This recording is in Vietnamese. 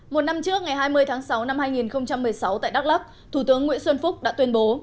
một năm trước ngày hai mươi tháng sáu năm hai nghìn một mươi sáu tại đắk lắc thủ tướng nguyễn xuân phúc đã tuyên bố